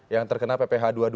yang terkena pph dua puluh dua